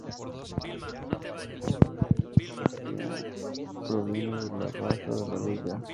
El agua de esta acequia proviene de la Bassa de la Vila.